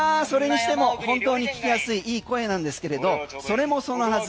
それにしても本当に聞きやすいいい声なんですけれどそれもそのはず